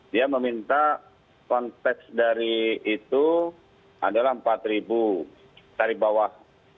dia meminta konteks dari itu adalah empat tarif bawah